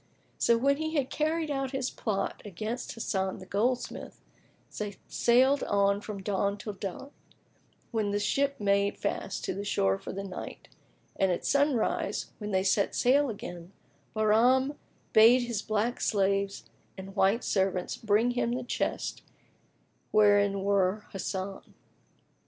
So, when he had carried out his plot against Hasan the goldsmith, they sailed on from dawn till dark, when the ship made fast to the shore for the night, and at sunrise, when they set sail again, Bahram bade his black slaves and white servants bring him the chest wherein were Hasan.